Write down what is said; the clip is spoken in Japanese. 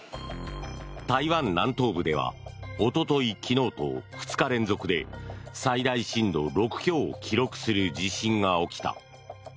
台湾南東部ではおととい昨日と２日連続で最大震度６強を記録する地震が起きた。